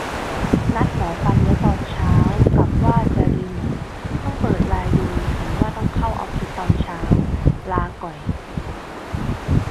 นัดหมอฟันไว้ตอนเช้า กับว่าจะรีโมท เพิ่งเปิดไลน์ดูเห็นว่าต้องเข้าออฟฟิศตอนเช้า ลาก่อย